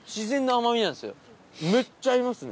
めっちゃ合いますね。